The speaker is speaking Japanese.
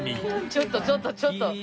ちょっとちょっとちょっと。